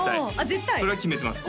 絶対それは決めてます